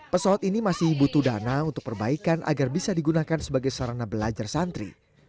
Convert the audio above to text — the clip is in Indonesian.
pesawat ini masih butuh dana untuk perbaikan agar bisa digunakan sebagai sarana belajar santri